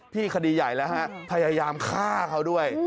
คดีใหญ่แล้วฮะพยายามฆ่าเขาด้วย